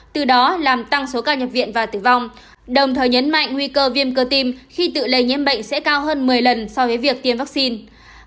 từ đó làm tăng số ca nhập viện và tử vong đồng thời nhấn mạnh nguy cơ viêm cơ tim khi tự lây nhiễm bệnh sẽ cao hơn một mươi lần so với việc tiêm vaccine